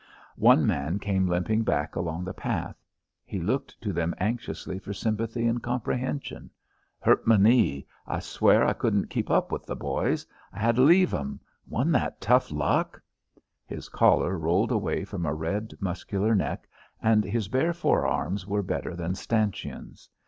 One man came limping back along the path. He looked to them anxiously for sympathy and comprehension. "Hurt m' knee. I swear I couldn't keep up with th' boys. I had to leave 'm. Wasn't that tough luck?" His collar rolled away from a red, muscular neck, and his bare forearms were better than stanchions.